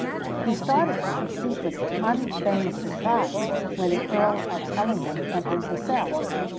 He started from his seat with unfeigned surprise, when the Earl of Ellingham entered the cell.